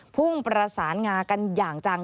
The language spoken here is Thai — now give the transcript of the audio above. พุ่งประสานงากันอย่างจัง